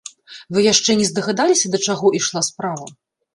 Вы яшчэ не здагадаліся, да чаго ішла справа?